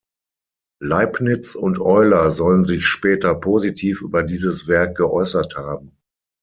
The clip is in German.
Leibniz und Euler sollen sich später positiv über dieses Werk geäußert haben.